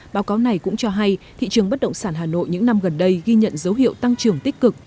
báo cáo này cũng cho hay thị trường bất động sản hà nội những năm gần đây ghi nhận dấu hiệu tăng trưởng tích cực